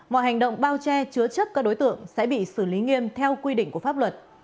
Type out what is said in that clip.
mọi hành động bao che chứa chấp các đối tượng sẽ bị xử lý nghiêm theo quy định của pháp luật